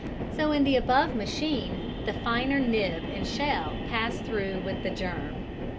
So in the above machine the finer nib and shell pass through with the germ.